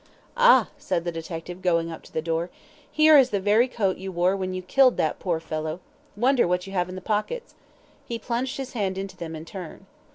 "Ah," said the detective, going up to the door, "here is the very coat you wore when you killed that poor fellow. Wonder what you have in the pockets," and he plunged his hand into them in turn.